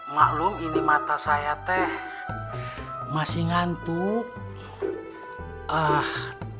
maklum ini mata saya teh masih ngantuk